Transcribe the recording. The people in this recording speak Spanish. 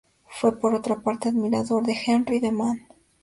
Fue por otra parte admirador de Henri de Man.